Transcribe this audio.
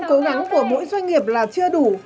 cố gắng của mỗi doanh nghiệp là chưa đủ